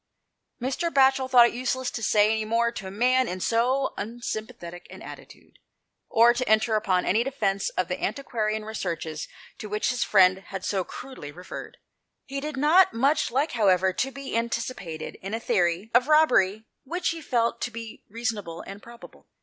" Mr. Batchel thought it useless to say any more to a man in so unsympathetic an attitude, or to enter upon any defence of the antiquarian researches to which his friend had so crudely referred. He did not much like, however, to be anticipated in a theory of the " robbery " which he felt to be reasonable and probable.